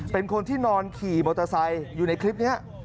เป็นคนที่นอนขี่มอเตอร์ไซค์อยู่ในคลิปนี้